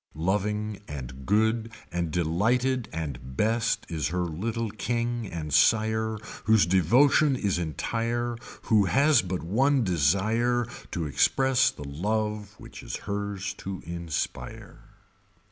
Loving and good and delighted and best is her little King and Sire whose devotion is entire who has but one desire to express the love which is hers to inspire.